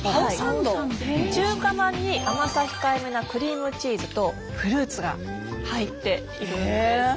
中華まんに甘さ控えめなクリームチーズとフルーツが入っているんです。